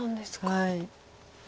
はい。